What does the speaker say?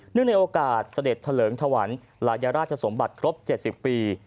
ในโอกาสเสด็จเถลิงถวันลายราชสมบัติครบ๗๐ปี